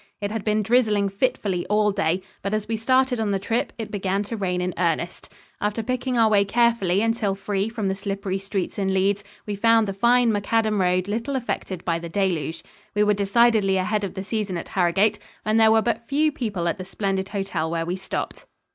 It had been drizzling fitfully all day, but as we started on the trip, it began to rain in earnest. After picking our way carefully until free from the slippery streets in Leeds, we found the fine macadam road little affected by the deluge. We were decidedly ahead of the season at Harrogate, and there were but few people at the splendid hotel where we stopped.